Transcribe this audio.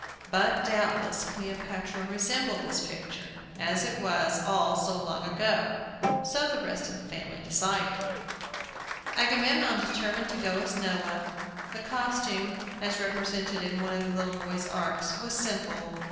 But doubtless Cleopatra resembled this picture, as it was all so long ago, so the rest of the family decided. Agamemnon determined to go as Noah. The costume, as represented in one of the little boys' arks, was simple.